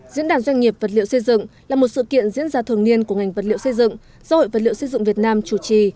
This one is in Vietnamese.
diễn đàn doanh nghiệp vật liệu xây dựng là một sự kiện diễn ra thường niên của ngành vật liệu xây dựng do hội vật liệu xây dựng việt nam chủ trì